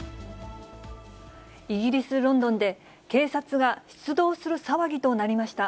イギリス・ロンドンで、警察が出動する騒ぎとなりました。